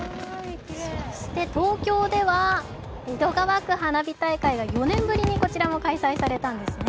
そして東京では江戸川区花火大会が４年ぶりにこちらも開催されたんですね。